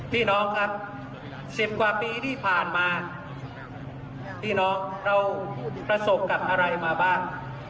พี่น้องครับ๑๐กว่าปีที่ผ่านมาพี่น้องเราประสบกับอะไรมาบ้าง